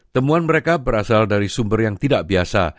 temuan mereka berasal dari sumber yang tidak biasa